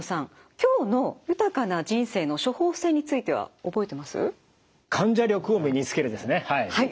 今日の豊かな人生の処方せんについては覚えてます？